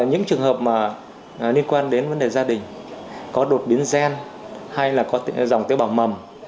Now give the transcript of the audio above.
những trường hợp liên quan đến vấn đề gia đình có đột biến gen hay là có dòng tế bào mầm